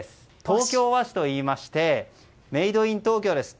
東京和紙といいましてメイドイン東京です。